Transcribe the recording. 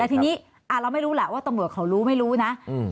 แต่ทีนี้เราไม่รู้แหละว่าตำรวจเขารู้ไม่รู้นะ